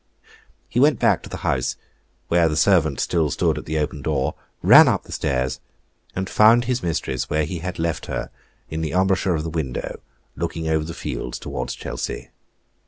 He went back to the house, where the servant still stood at the open door, ran up the stairs, and found his mistress where he had left her in the embrasure of the window, looking over the fields towards Chelsey.